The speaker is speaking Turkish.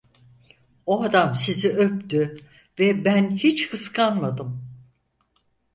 O adam sizi öptü ve ben hiç kıskanmadım.